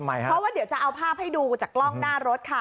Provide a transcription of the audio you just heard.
เพราะว่าเดี๋ยวจะเอาภาพให้ดูจากกล้องหน้ารถค่ะ